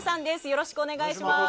よろしくお願いします